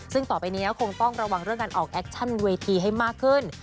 ซึ่งต่อไปนี้คงต้องระวังเรื่องการออกแอคชั่นเวทีให้มากขึ้น